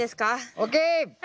ＯＫ！